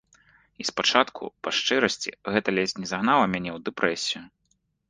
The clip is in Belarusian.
І спачатку, па шчырасці, гэта ледзь не загнала мяне ў дэпрэсію.